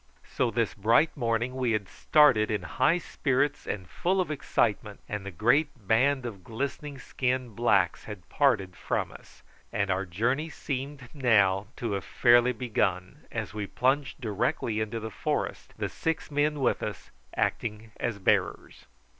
So this bright morning we had started in high spirits and full of excitement, the great band of glistening skinned blacks had parted from us, and our journey seemed now to have fairly begun, as we plunged directly into the forest, the six men with us acting as bearers.